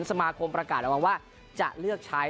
สมาคมประกาศระวังว่าจะเลือกใช้